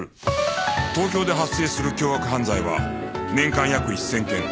東京で発生する凶悪犯罪は年間約１０００件